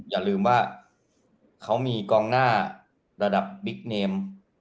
อย่าลืมว่าเขามีกองหน้าระดับบิ๊กเนม